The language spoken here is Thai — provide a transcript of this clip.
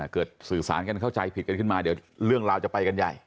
สื่อสารกันเข้าใจผิดกันขึ้นมาเดี๋ยวเรื่องราวจะไปกันใหญ่